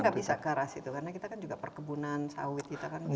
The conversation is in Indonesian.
nggak bisa ke arah situ karena kita kan juga perkebunan sawit kita kan bisa